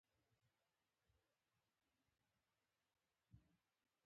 دا آواز یو داسې اوږد پورتنی مخنی خپلواک دی